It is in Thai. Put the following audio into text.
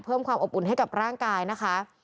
เพิ่มความอบอุ่นให้กับร่างกายนะคะ